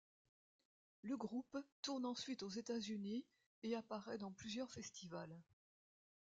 Le groupe tourne ensuite aux États-Unis, et apparait dans plusieurs festivals.